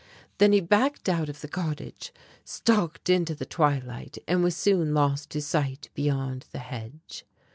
Then he backed out of the cottage, stalked into the twilight and was soon lost to sight beyond the hedge.